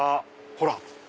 ほら？